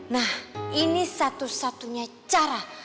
nah ini satu satunya cara